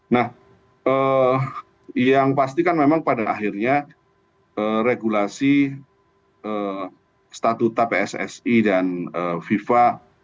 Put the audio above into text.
nah yang pasti kan memang pada akhirnya regulasi statuta pssi dan fifa